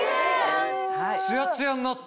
ツヤツヤになった。